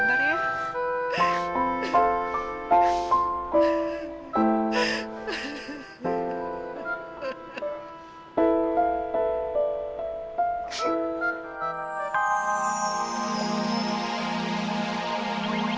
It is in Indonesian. terima kasih pada mbak maaf